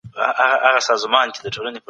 هغه پوهان د سياست په اړه ژور معلومات ورکوي.